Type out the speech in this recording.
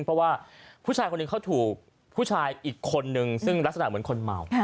เพราะว่าผู้ชายคนหนึ่งเขาถูกผู้ชายอีกคนนึงซึ่งลักษณะเหมือนคนเมา